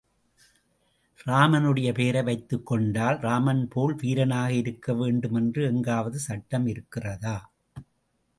ராமனுடைய பெயரை வைத்துக் கொண்டால் ராமன்போல் வீரனாக இருக்க வேண்டும் என்று எங்காவது சட்டம் இருக்கிறதா?